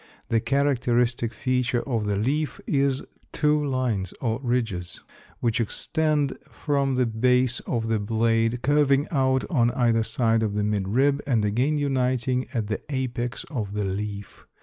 The characteristic feature of the leaf is two lines or ridges which extend from the base of the blade, curving out on either side of the mid rib and again uniting at the apex of the leaf.